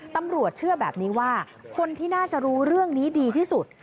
ตำรวจเชื่อแบบนี้ว่าคนที่น่าจะรู้เรื่องนี้ดีที่สุด